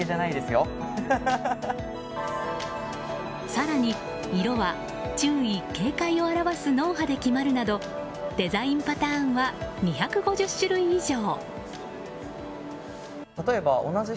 更に、色は注意・警戒を表す脳波で決まるなどデザインパターンは２５０種類以上。